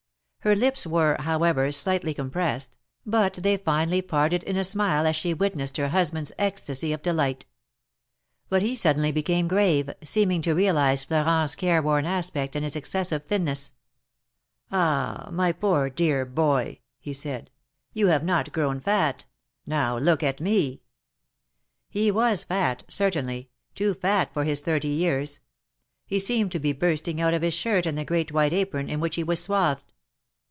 Her lips were, however, slightly com pressed, but they finally parted in a smile as she witnessed her husband's ecstasy of delight. But he suddenly became 68 THE MARKETS OF PARIS. grave, seeming to realize Florent^s careworn aspect and his excessive thinness. '^Ah ! my poor, dear boy," he said, ''you have not grown fat. Now look at me!" He was fat, certainly — too fat for his thirty years. He seemed to be bursting out of his shirt and the great white apron, in which he was swathed.